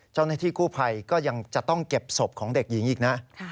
เจ้าหน้าที่กู้ภัยก็ยังจะต้องเก็บศพของเด็กหญิงอีกนะ